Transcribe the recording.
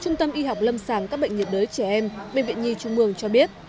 trung tâm y học lâm sàng các bệnh nhiệt đới trẻ em bệnh viện nhi trung mương cho biết